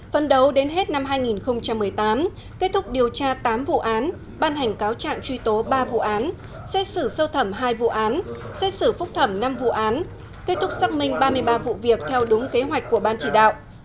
phân đấu đến hết năm hai nghìn một mươi tám kết thúc điều tra tám vụ án ban hành cáo trạng truy tố ba vụ án xét xử sơ thẩm hai vụ án xét xử phúc thẩm năm vụ án kết thúc xác minh ba mươi ba vụ việc theo đúng kế hoạch của ban chỉ đạo